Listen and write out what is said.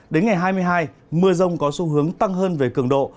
đến ngày hai mươi hai mưa rông có xu hướng tăng hơn về cường độ